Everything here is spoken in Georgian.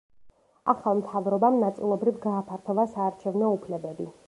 ახალ მთავრობამ ნაწილობრივ გააფართოვა საარჩევნო უფლებები.